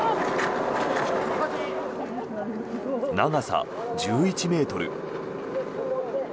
長さ１１ｍ。